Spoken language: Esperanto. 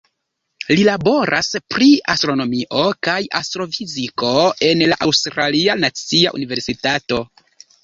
Li laboras pri astronomio kaj astrofiziko en la Aŭstralia Nacia Universitato.